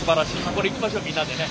これいきましょうみんなでね。